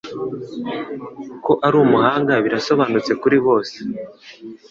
Ko ari umuhanga birasobanutse kuri bose.